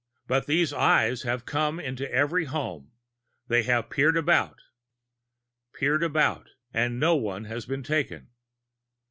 But these Eyes have come into every home; they have peered about, peered about, and no one has been taken.